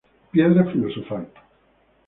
Piedra Filosofal.